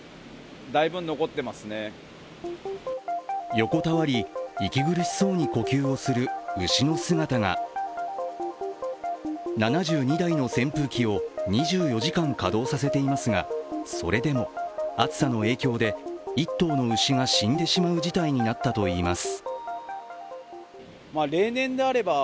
横たわり、息苦しそうに呼吸をする牛の姿が７２台の扇風機を２４時間稼働させていますがそれでも暑さの影響で、１頭の牛が死んでしまう事態になったといいます。